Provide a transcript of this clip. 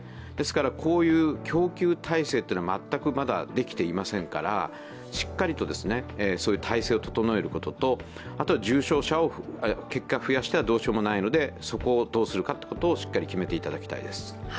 ですから、こういう供給体制はまだ全くできていませんから、しっかりと体制を整えることと、重症者を結果増やしてはどうしようもないので、そこをどうするかということをしっかり決めていただきたいです。